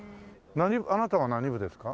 何部あなたは何部ですか？